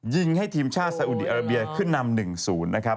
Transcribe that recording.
ยิงให้ทีมชาติสาอุดีอาราเบียขึ้นนำ๑๐นะครับ